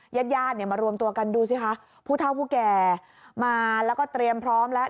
ญาติญาติเนี่ยมารวมตัวกันดูสิคะผู้เท่าผู้แก่มาแล้วก็เตรียมพร้อมแล้ว